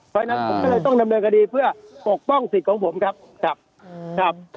เพราะฉะนั้นผมก็เลยต้องดำเนินคดีเพื่อปกป้องสิทธิ์ของผมครับครับ